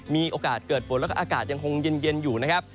มีโอกาสเกิดฝนแล้วก็อากาศยังคงเย็นอยู่นะครับ